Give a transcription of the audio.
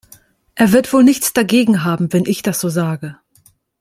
Er wird wohl nichts dagegen haben, wenn ich das so sage.